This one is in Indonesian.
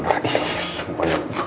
nah benar benar man